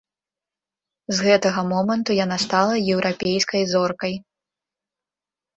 З гэтага моманту яна стала еўрапейскай зоркай.